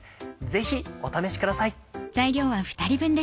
ぜひお試しください。